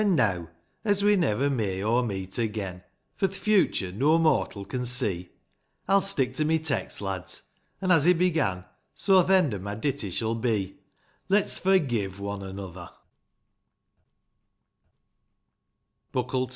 An' neaw, — as we never may o' meet again, For th' futur' no mortal can see, — I'll stick to my text, lads ; an', as it began, So th' end o' my ditty shall be, — Let's forgive one another 1 ncJ^lt t0.